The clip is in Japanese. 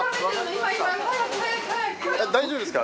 大丈夫ですか？